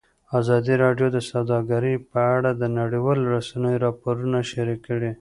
ازادي راډیو د سوداګري په اړه د نړیوالو رسنیو راپورونه شریک کړي.